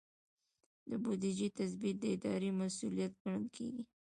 د بودیجې تثبیت د ادارې مسؤلیت ګڼل کیږي.